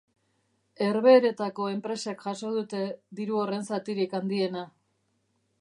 Herbehereetako enpresek jaso dute diru horren zatirik handiena